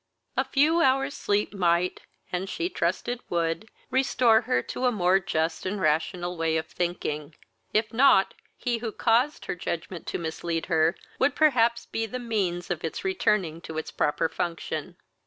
A few hours sleep might, and she trusted would, restore her to a more just and rational way of thinking; if not, he who caused her judgement to mislead her would perhaps be the means of its returning to its proper function.